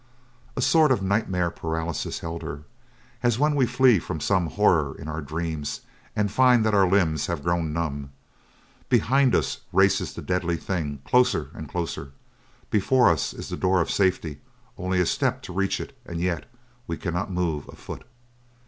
A sort of nightmare paralysis held her, as when we flee from some horror in our dreams and find that our limbs have grown numb. Behind us races the deadly thing, closer and closer; before us is the door of safety only a step to reach it and yet we cannot move a foot!